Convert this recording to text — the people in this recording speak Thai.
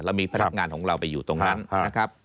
เรามีพนักงานของเราไปอยู่ตรงนั้น